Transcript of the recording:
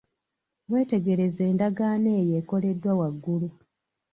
Weetegereze endagaano eyo ekoleddwa waggulu.